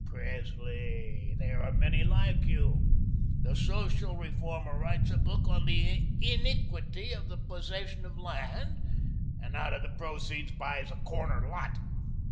Presley, there are many like you. The social reformer writes a book on the iniquity of the possession of land, and out of the proceeds, buys a corner lot.